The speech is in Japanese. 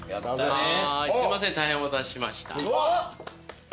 すいません大変お待たせしました。